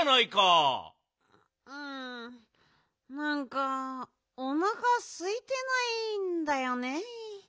うんなんかおなかすいてないんだよね。